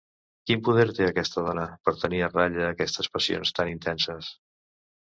Quin poder té aquesta dona per tenir a ratlla aquestes passions tan intenses!